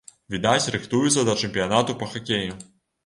Відаць, рыхтуюцца да чэмпіянату па хакеі.